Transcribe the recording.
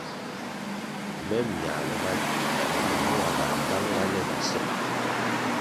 Me myale mackwu nagi mua gā tangʼla le na song.